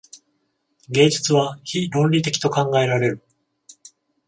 芸術は非論理的と考えられる。